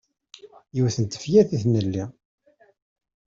Yiwet n tefyirt i tnelli.